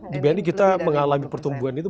di bni kita mengalami pertumbuhan itu